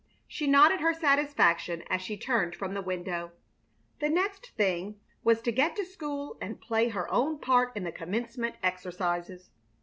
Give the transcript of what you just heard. She nodded her satisfaction as she turned from the window. The next thing was to get to school and play her own part in the Commencement exercises.